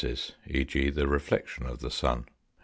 the reflection of the sun.